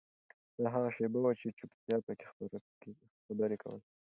دا هغه شیبه وه چې چوپتیا پکې خبرې کولې.